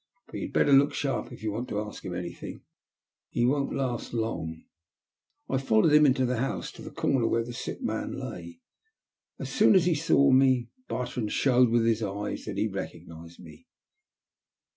''But you'd better look sharp if you want to ask him any thing. He woo't last long." ,, ifY a w 373 THE LUST OF HATE. I followed him into the house to the comer where the sick man lay. As soon as he saw me, Bartrand showed with his eyes that he recognized me.